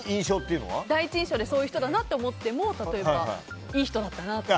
第一印象でそういう人だなと思っても例えば、いい人だったなとか。